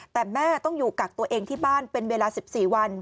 แต่แม่ต้องอยู่กักตัวเองที่บ้านเป็นเวลา๑๔วัน